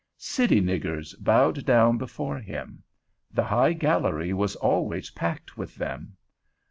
"City niggers" bowed down before him; the high gallery was always packed with them.